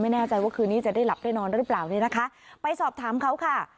ไม่แน่ใจว่าคืนนี้จะได้หลับได้นอนหรือเปล่าเนี่ยนะคะไปสอบถามเขาค่ะ